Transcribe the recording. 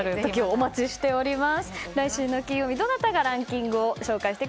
お待ちしております。